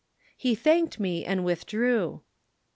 _"] "He thanked me and withdrew."